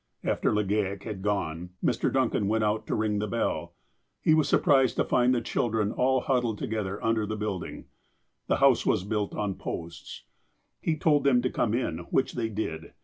After Legale had gone, Mr. Duncan went out to ring the bell. He was surprised to find the children all hud dled together under the building. (The house was built on posts.) He told them to come in, which they did.